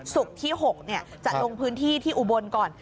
ศุกร์ที่๖จะลงพื้นที่ที่อุบลก่อน